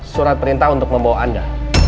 surat perintah untuk membawa anda